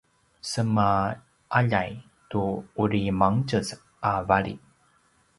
sema’aljay tu uri mangtjez a vali